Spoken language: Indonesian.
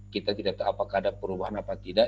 kita tidak tahu apakah ada perubahan apa tidak